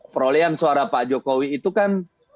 perolehan suara pak jokowi itu kan